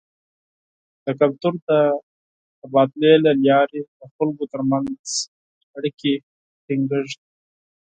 د کلتور د تبادلې له لارې د خلکو تر منځ اړیکې ټینګیږي.